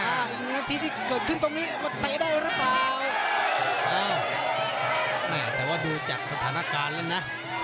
นาทีที่เกิดขึ้นตรงนี้มาเตะได้หรือเปล่าเออแม่แต่ว่าดูจากสถานการณ์แล้วนะ